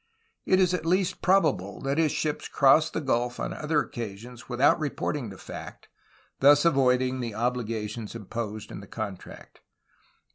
It is at least probable that his ships crossed the gulf on other occasions without reporting the fact, thus avoiding the obligations imposed in the contract.